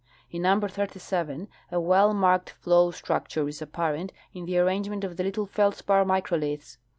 In number 37 a well marked flow structure is apparent in the arrangement of the little feldspar microliths.